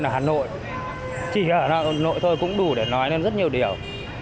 chính quyền ở hà nội chỉ ở hà nội thôi cũng đủ để nói lên rất nhiều điều